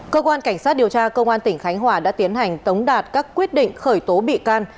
cơ quan cảnh sát điều tra công an tỉnh khánh hòa đã tiến hành tống đạt các quyết định khởi tố bị can